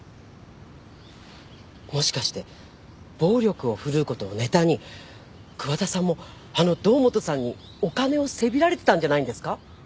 もしかして暴力を振るうことをネタに桑田さんもあの堂本さんにお金をせびられてたんじゃないんですか！